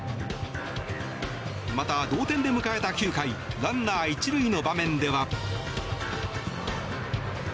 また同点で迎えた９回ランナー１塁の場面では。